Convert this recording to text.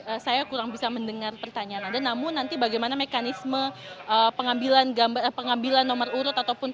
elvira maaf sekali kami saya kurang bisa mendengar pertanyaan ada namun nanti bagaimana mekanisme pengambilan nomor urut yang pasti akan diberlakukan nanti malam